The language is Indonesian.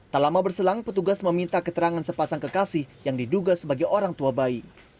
tak lama berselang petugas meminta keterangan sepasang kekasih yang diduga sebagai orang tua bayi